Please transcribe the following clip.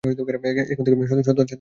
এখন থেকে সততার সাথে কাজ করবে।